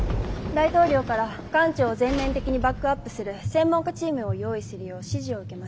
大統領から艦長を全面的にバックアップする専門家チームを用意するよう指示を受けまして。